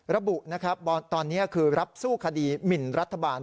ระบุนะครับตอนนี้คือรับสู้คดีหมินรัฐบาล